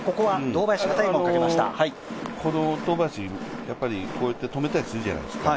堂林、こうやって止めたりするじゃないですか。